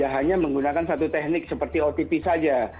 hanya menggunakan satu teknik seperti otp saja